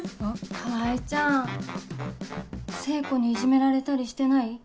川合ちゃん聖子にいじめられたりしてない？